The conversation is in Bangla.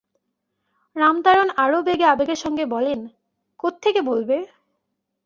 রামতারণ আরও আবেগের সঙ্গে বলেন, কোথেকে বলবে?